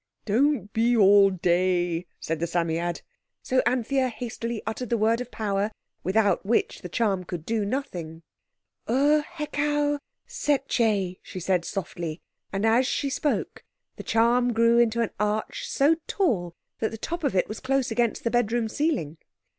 "Don't be all day," said the Psammead. So Anthea hastily uttered the word of power, without which the charm could do nothing. "Ur—Hekau—Setcheh!" she said softly, and as she spoke the charm grew into an arch so tall that the top of it was close against the bedroom ceiling.